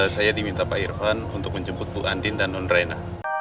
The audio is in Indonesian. saya diminta pak irvan untuk menjemput bu andin dan nondrena